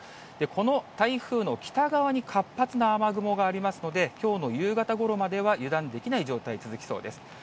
この台風の北側に活発な雨雲がありますので、きょうの夕方ごろまでは油断できない状態続きそうです。